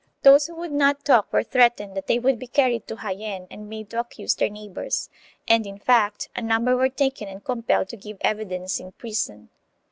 Those who would not talk were threatened that they would be carried to Jaen and made to accuse their neighbors, and, in fact, a number were taken and compelled to give evidence in prison.